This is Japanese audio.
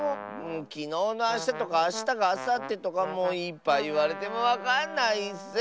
きのうのあしたとかあしたがあさってとかもういっぱいいわれてもわかんないッス！